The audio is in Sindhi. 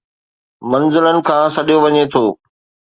منزلن کان سڏيو وڃي ٿو